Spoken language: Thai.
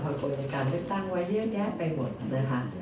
วันกดในการเลือกตั้งไว้เลี่ยงแยะไปหมดนะฮะ